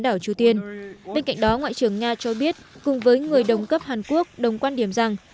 đảo triều tiên bên cạnh đó ngoại trưởng nga cho biết cùng với người đồng cấp hàn quốc đồng quan điểm rằng